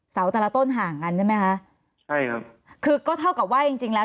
แต่ละต้นห่างกันใช่ไหมคะใช่ครับคือก็เท่ากับว่าจริงจริงแล้ว